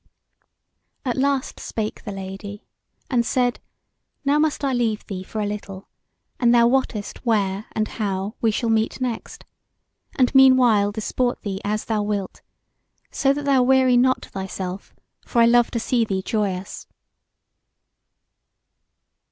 At last spake the Lady and said: "Now must I leave thee for a little, and thou wottest where and how we shall meet next; and meanwhile disport thee as thou wilt, so that thou weary not thyself, for I love to see thee joyous."